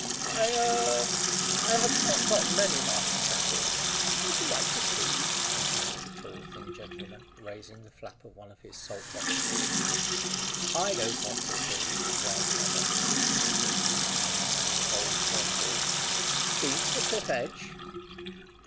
"I er I have not got many, Master Shackle. Would you like to see?" continued the tall thin gentleman, raising the flap of one of his salt box pockets. "I don't want to see," growled the other, as he stood patting the neck of his old grey horse. "Been to the cliff edge?"